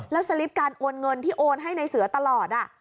แล้วสลิปการโอนเงินที่โอนให้ในเสือตลอด